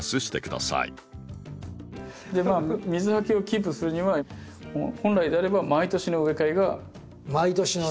水はけをキープするには本来であれば毎年の植え替えが必要ですね。